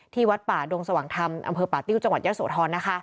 วัดป่าดงสว่างธรรมอำเภอป่าติ้วจังหวัดยะโสธร